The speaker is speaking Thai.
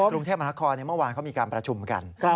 กรุงเทพมหานครเมื่อวานเขามีการประชุมกัน